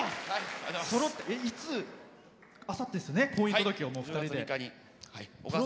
あさって、婚姻届を２人で。